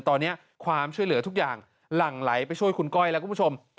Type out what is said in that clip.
ตอนนี้ความช่วยเหลือทุกอย่างหลั่งไหลไปช่วยคุณก้อยแล้วคุณผู้ชม